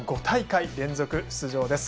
５大会連続出場。